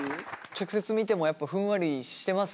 直接見てもやっぱふんわりしてます？